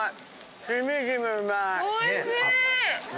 しみじみうまい。